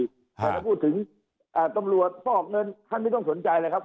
แต่ถ้าพูดถึงตำรวจฟอกเงินท่านไม่ต้องสนใจเลยครับ